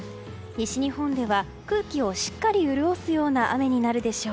西日本では空気をしっかり潤すような雨になるでしょう。